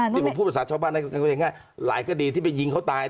ที่บางผู้ประสาทชาวบ้านก็คืออย่างง่ายหลายก็ดีที่ไปยิงเขาตาย